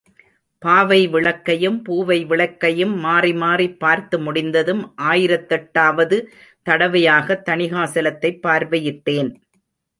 பாவை விளக்கையும் பூவை விளக்கையும் மாறி மாறிப் பார்த்து முடிந்ததும், ஆயிரத்தெட்டாவது தடவையாக தணிகாசலத்தைப் பார்வையிட்டேன்.